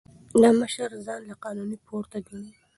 دا مشر ځان له قانون پورته ګڼي.